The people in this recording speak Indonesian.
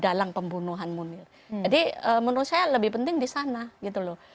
dalang pembunuhan munir jadi menurut saya lebih penting di sana gitu loh